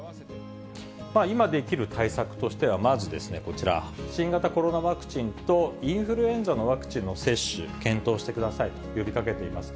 今できる対策としては、まずこちら、新型コロナワクチンとインフルエンザのワクチンの接種、検討してくださいと呼びかけています。